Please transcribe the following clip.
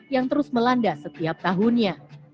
yang terus melanda setiap tahunnya